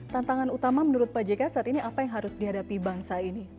tantangan utama menurut pak jk saat ini apa yang harus dihadapi bangsa ini